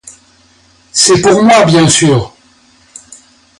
C’est pour moi, bien sûr.